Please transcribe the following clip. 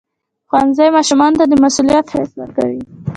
ښوونځی ماشومانو ته د مسؤلیت حس ورکوي.